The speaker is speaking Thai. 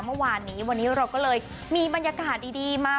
เมื่อวานนี้วันนี้เราก็เลยมีบรรยากาศดีมา